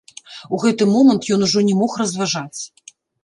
У гэты момант ён ужо не мог разважаць.